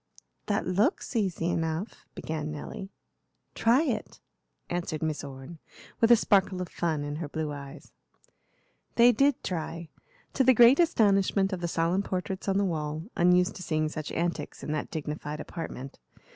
"That looks easy enough," began Nelly. "Try it," answered Miss Orne, with a sparkle of fun in her blue eyes. They did try, to the great astonishment of the solemn portraits on the wall, unused to seeing such antics in that dignified apartment.